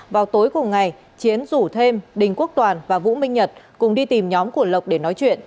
vào tối cùng ngày chiến rủ thêm đình quốc toàn và vũ minh nhật cùng đi tìm nhóm của lộc để nói chuyện